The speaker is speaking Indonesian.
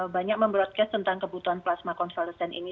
banyak mem broadcast tentang kebutuhan plasma konvalesen ini